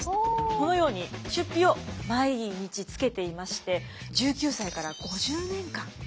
このように出費を毎日つけていまして１９歳から５０年間。